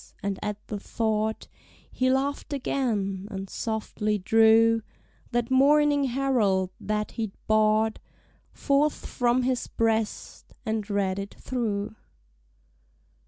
And at the thought He laugh'd again, and softly drew That Morning Herald that he'd bought Forth from his breast, and read it through.